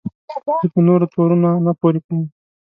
زه په نورو تورونه نه پورې کوم.